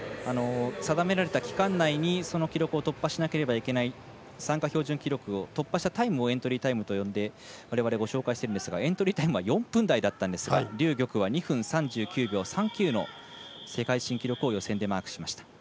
定められた期間内に突破しなければいけない参加標準記録を突破した記録をエントリータイムと紹介しているんですがエントリータイムは４分台だったんですが劉玉は２分３９秒３９の世界新記録をマークしました。